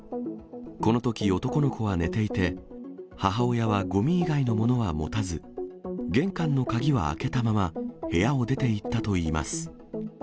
このとき、男の子は寝ていて、母親はごみ以外のものは持たず、玄関の鍵は開けたまま、部屋を出ていったといいます。